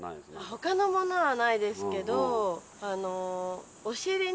他のものはないですけど。